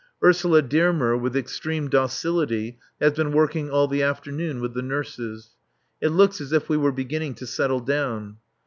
Ursula Dearmer with extreme docility has been working all the afternoon with the nurses. It looks as if we were beginning to settle down.